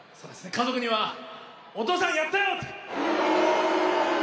家族には「お父さんやったよ！」。